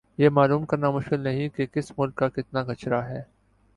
یہ معلوم کرنا مشکل نہیں کہ کس ملک کا کتنا کچرا ھے